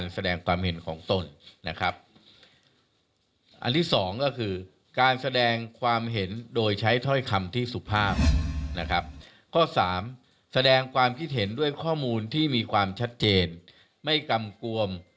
๓แสดงความคิดเห็นด้วยข้อมูลที่มีความชัดเจนไม่กำกวม